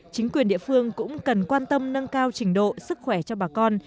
chính quyền địa phương cũng cần quan tâm nâng cao trình độ sức khỏe cho bà con